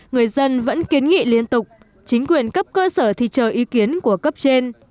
người dân vẫn kiến nghị liên tục chính quyền cấp cơ sở thì chờ ý kiến của cấp trên